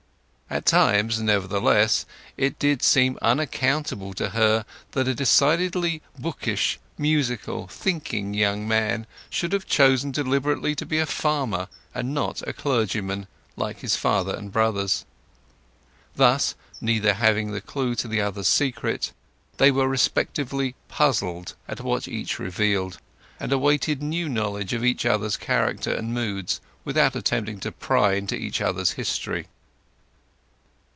At times, nevertheless, it did seem unaccountable to her that a decidedly bookish, musical, thinking young man should have chosen deliberately to be a farmer, and not a clergyman, like his father and brothers. Thus, neither having the clue to the other's secret, they were respectively puzzled at what each revealed, and awaited new knowledge of each other's character and mood without attempting to pry into each other's history.